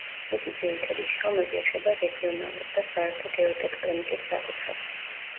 მისი ძირითადი შრომები ეხება რეგიონალურ და საერთო გეოტექტონიკის საკითხებს.